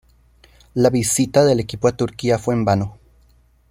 La visita del equipo a Turquía fue en vano.